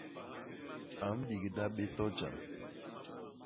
A mbigda bé to jam.